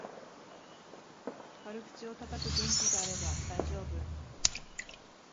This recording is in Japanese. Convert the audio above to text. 軽口をたたく元気があれば大丈夫